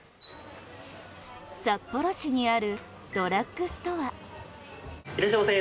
札幌市にあるドラッグストア。